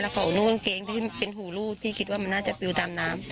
เหง่าเคลียร์ของนุ่งกางเกงเป็นหูลูดพี่คิดว่ามันน่าจะปิวตามน้ำ